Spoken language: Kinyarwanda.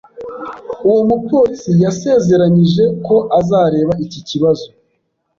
Uwo mupolisi yasezeranyije ko azareba iki kibazo.